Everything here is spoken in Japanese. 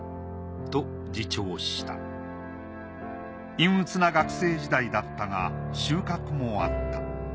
陰うつな学生時代だったが収穫もあった。